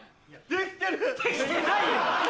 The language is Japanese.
できてないよ！